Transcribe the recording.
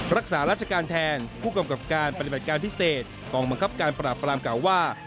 รักษาราชการแทนผู้กำกับการปฏิบัติการพิเศษกองบังคับการปราบปรามกล่าวว่า